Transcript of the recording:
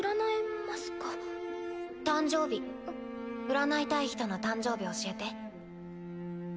占いたい人の誕生日教えて。